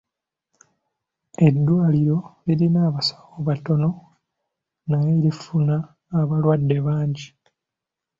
Eddwaliro lirina abasawo batono naye lifuna abalwadde bangi.